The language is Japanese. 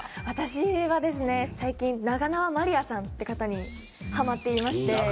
私はですね最近長縄まりあさんって方にはまっていまして。